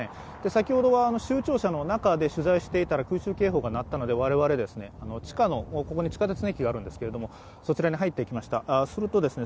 先ほどは州庁舎の中で取材していたら空襲警報が鳴ったので我々ですね、あの地下のをここに地下鉄の駅があるんですけれども、そちらに入っていきましたするとですね